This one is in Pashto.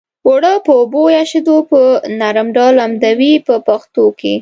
اوړه په اوبو یا شیدو په نرم ډول لمدوي په پښتو کې.